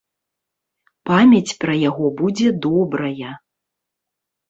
Памяць пра яго будзе добрая.